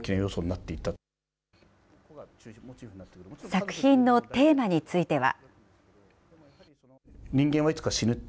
作品のテーマについては。